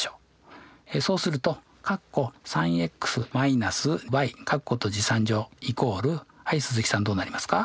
そうするとはい鈴木さんどうなりますか？